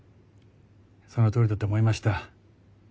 そのとおりだと思いました。